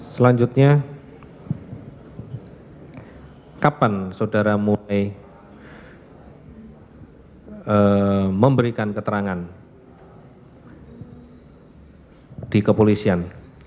selanjutnya kapan saudara mulai memberikan keterangan di kepolisian